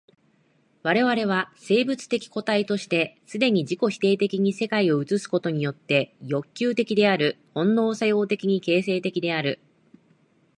我々は生物的個体として既に自己否定的に世界を映すことによって欲求的である、本能作用的に形成的である。